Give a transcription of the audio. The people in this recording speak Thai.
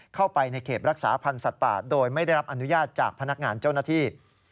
เข้าไปในเขตรักษาพันธ์สัตว์ป่าโดยไม่ได้รับอนุญาตจากพนักงานเจ้าหน้าที่